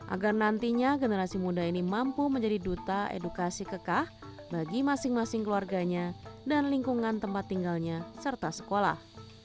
agar nantinya generasi muda ini mampu menjadi duta edukasi kekah bagi masing masing keluarganya dan lingkungan tempat tinggalnya serta sekolah